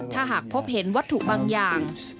ถ้าหากพบเห็นวัตถุบางอย่าง